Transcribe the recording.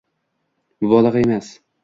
Mubolag'a emas